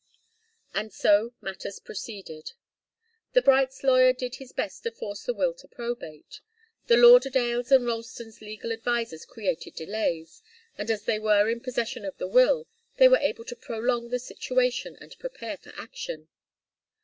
And so matters proceeded. The Brights' lawyer did his best to force the will to probate. The Lauderdales' and Ralstons' legal advisers created delays, and as they were in possession of the will, they were able to prolong the situation, and prepare for action.